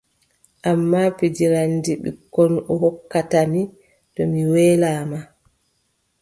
Ammaa pijiraandi ɓikkon o hokkata mi to mi weelaama.